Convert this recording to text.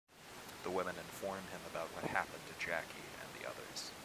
The women inform him about what happened to Jackie and the others.